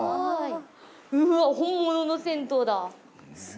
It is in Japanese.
うわ本物の銭湯だ。